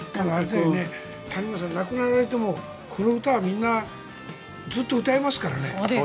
谷村さんは亡くなられてもこの歌はみんなずっと歌いますからね。